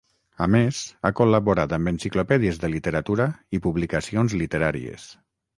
A més, ha col·laborat amb enciclopèdies de literatura i publicacions literàries.